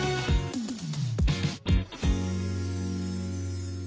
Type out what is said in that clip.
うん！